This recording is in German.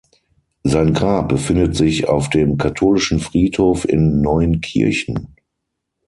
Sein Grab befindet sich auf dem katholischen Friedhof in Neuenkirchen.